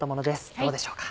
どうでしょうか。